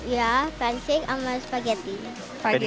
ya pancake sama spaghetti